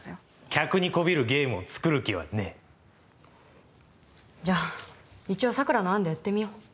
客に媚びるゲームを作る気はねえじゃあ一応桜の案でやってみよう